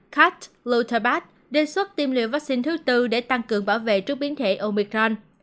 kat lutterbach đề xuất tiêm liệu vaccine thứ tư để tăng cường bảo vệ trước biến thể omicron